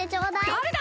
だれだ！？